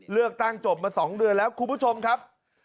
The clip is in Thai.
เลือกตั้งจบมา๒เดือนแล้วคุณผู้ชมครับ